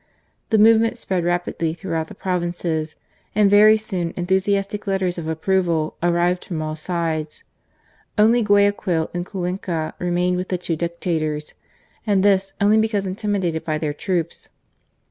The movement spread rapidly through 76 GARCIA MORENO. out the provinces, and very soon enthusiastic letters of approval arrived from all sides. Only Guayaquil and Cuenca remained with the two Dictators, and this only because intimidated by their troops.